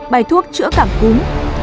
bài thuốc chữa cảm cúm